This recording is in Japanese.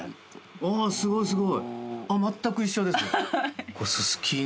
おおすごいすごい。